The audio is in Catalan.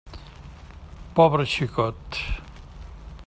Pobre xicot!